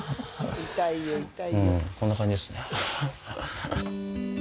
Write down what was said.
うんこんな感じですね。